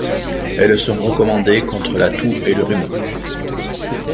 Elles sont recommandées contre la toux et le rhume.